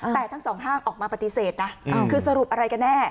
แต่ทั้งสองห้างออกมาปฏิเสธนะคือสรุปอะไรกันแน่